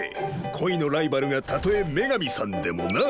恋のライバルがたとえ女神さんでもな？